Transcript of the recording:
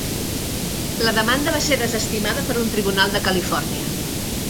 La demanda va ser desestimada per un tribunal de Califòrnia.